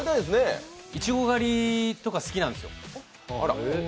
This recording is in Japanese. いちご狩りとか好きなんですよ。